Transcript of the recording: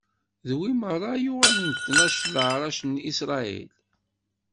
D wigi meṛṛa i yuɣalen d tnac n leɛṛac n Isṛayil.